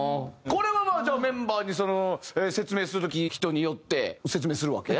これはじゃあメンバーに説明する時人によって説明するわけ？